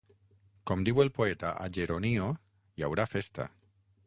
Com diu el poeta a Geronio, hi haurà festa.